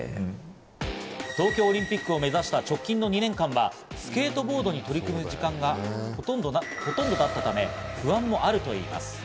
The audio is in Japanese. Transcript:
東京オリンピックを目指した直近の２年間はスケートボードに取り組む時間がほとんどだったため、不安もあるといいます。